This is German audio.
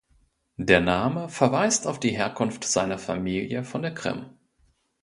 Der Name verweist auf die Herkunft seiner Familie von der Krim.